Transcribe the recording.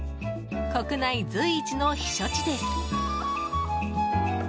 国内随一の避暑地です。